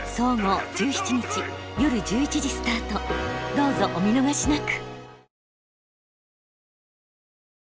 どうぞお見逃しなく！